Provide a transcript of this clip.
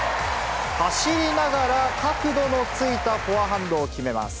走りながら角度のついたフォアハンドを決めます。